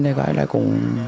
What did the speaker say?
cũng giảm hẳn